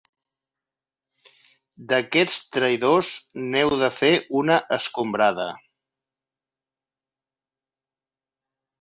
D'aquests traïdors, n'heu de fer una escombrada.